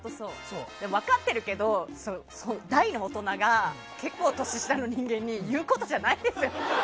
分かっているけど大の大人が結構年下の人間に言うことじゃないですよ？